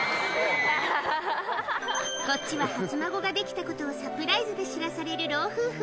こっちは初孫ができたことをサプライズで知らされる老夫婦。